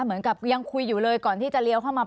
เหมือนกับยังคุยอยู่เลยก่อนที่จะเลี้ยวเข้ามา